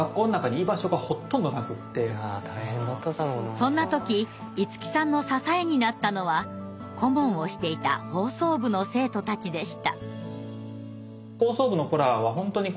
そんな時いつきさんの支えになったのは顧問をしていた放送部の生徒たちでした。